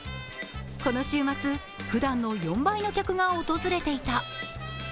この週末ふだんの４倍の客が訪れていた。